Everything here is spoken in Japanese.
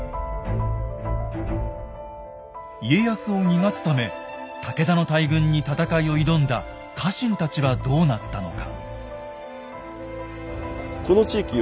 家康を逃がすため武田の大軍に戦いを挑んだ家臣たちはどうなったのか。